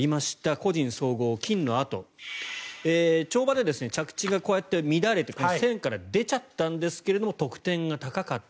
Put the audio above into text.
個人総合金のあと跳馬で着地が乱れて線から出ちゃったんですけど得点が高かった。